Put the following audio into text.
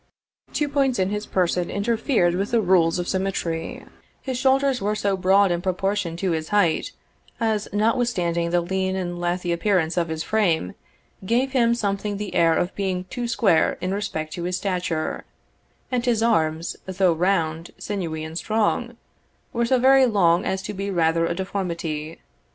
Two points in his person interfered with the rules of symmetry; his shoulders were so broad in proportion to his height, as, notwithstanding the lean and lathy appearance of his frame, gave him something the air of being too square in respect to his stature; and his arms, though round, sinewy, and strong, were so very long as to be rather a deformity.